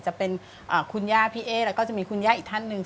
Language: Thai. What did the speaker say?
จะเป็นคุณย่าพี่เอ๊แล้วก็จะมีคุณย่าอีกท่านหนึ่ง